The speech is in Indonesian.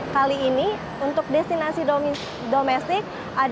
kali ini untuk destinasi domestik